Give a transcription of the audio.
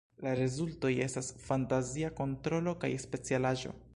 La rezultoj estas fantazia kontrolo kaj specialaĵo.